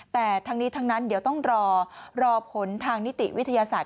แต่ทั้งนี้ทั้งนั้นเดี๋ยวต้องรอรอผลทางนิติวิทยาศาสต